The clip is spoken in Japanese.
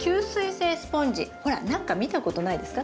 ほら何か見たことないですか？